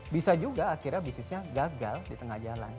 bisa juga akhirnya bisnisnya gagal di tengah jalan